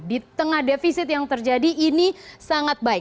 di tengah defisit yang terjadi ini sangat baik